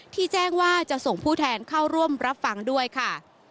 แจ้งว่าจะส่งผู้แทนเข้าร่วมรับฟังด้วยค่ะ